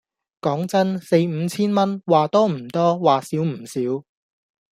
講真，四五千蚊，話多唔多話少唔少